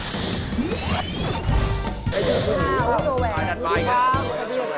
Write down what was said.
สวัสดีครับ